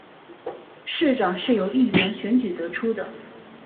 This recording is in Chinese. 市长是由议员选举得出的。